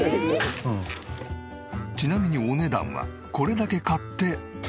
ちなみにお値段はこれだけ買って。